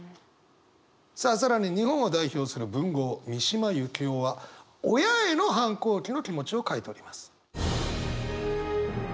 さあ更に日本を代表する文豪三島由紀夫は親への反抗期の気持ちを書いております。